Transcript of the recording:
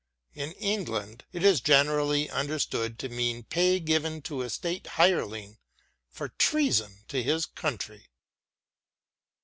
In England it is generally understood to mean pay given to a state hireling for treason to his country.